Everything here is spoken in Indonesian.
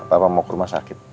bapak mau ke rumah sakit